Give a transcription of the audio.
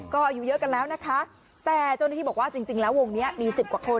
ก็อายุเยอะกันแล้วนะคะแต่เจ้าหน้าที่บอกว่าจริงแล้ววงนี้มี๑๐กว่าคน